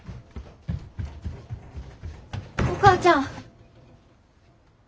お母ちゃん！